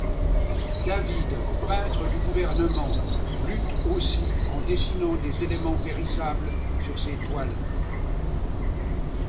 David, peintre du gouvernement, lutte aussi en dessinant des éléments périssables sur ces toiles.